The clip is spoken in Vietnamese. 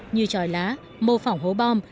như tròi lá mô phỏng hố bom